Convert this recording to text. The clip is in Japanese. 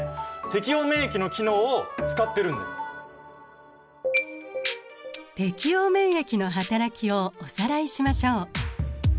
いやいや適応免疫のはたらきをおさらいしましょう。